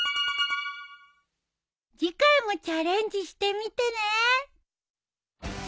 次回もチャレンジしてみてね。